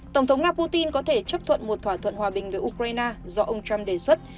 tổng thống nga putin có thể chấp thuận một thỏa thuận hòa bình với ukraine do ông trump đề xuất